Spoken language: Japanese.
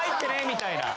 みたいな。